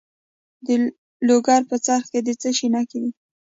د لوګر په څرخ کې د څه شي نښې دي؟